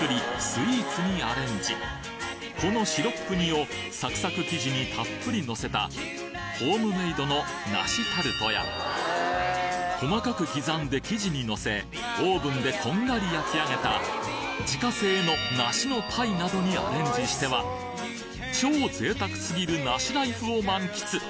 スイーツにアレンジこのシロップ煮をサクサク生地にたっぷりのせたホームメイドの梨タルトや細かく刻んで生地にのせオーブンでこんがり焼き上げた自家製の梨のパイなどにアレンジしては超贅沢すぎる梨ライフを満喫